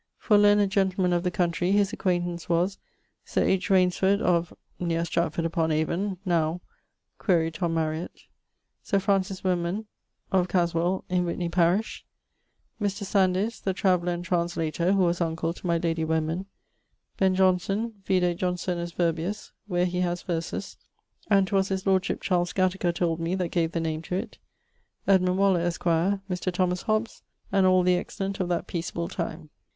For learned gentlemen of the country, his acquaintance was Sir H. Rainesford, of ... neer Stratford upon Avon, now ... (quaere Tom Mariet); Sir Francis Wenman, of Caswell, in Witney parish; Mr. ... Sandys, the traveller and translator (who was uncle to my lady Wenman); Ben. Johnson (vide Johnsonus Virbius, where he haz verses, and 'twas his lordship, Charles Gattaker told me, that gave the name to it); Edmund Waller, esq.; Mr. Thomas Hobbes, and all the excellent of that peaceable time.